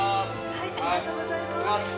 はいありがとうございます・いきます